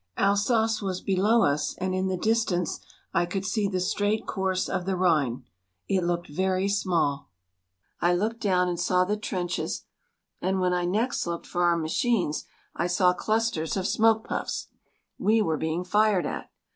Alsace was below us and in the distance I could see the straight course of the Rhine. It looked very small. I looked down and saw the trenches and when I next looked for our machines I saw clusters of smoke puffs. We were being fired at.